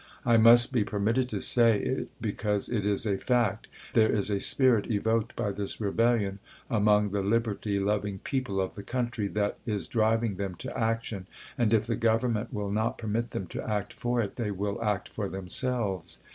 I must be per mitted to say it, because it is a fact, there is a spirit evoked by this rebellion among the liberty loving people of the country that is driving them to action, and if the Government will not permit them to act for it, they will act for themselves.